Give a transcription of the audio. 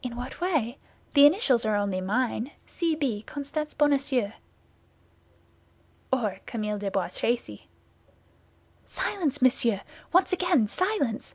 "In what way? The initials are only mine—C. B., Constance Bonacieux." "Or Camille de Bois Tracy." "Silence, monsieur! Once again, silence!